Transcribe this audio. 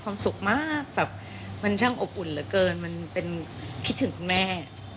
สุขมากแบบมันช่างอบอุ่นเหลือเกินมันเป็นคิดถึงคุณแม่